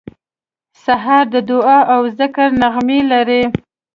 سهار د دعا او ذکر نغمې لري.